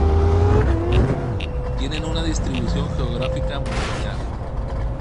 Tienen una distribución geográfica mundial.